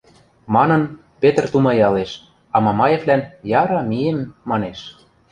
— манын, Петр тумаялеш, а Мамаевлӓн «Яра, миэм» манеш.